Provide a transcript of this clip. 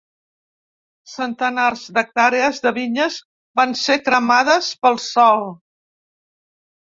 Centenars d’hectàrees de vinyes van ser cremades pel sol.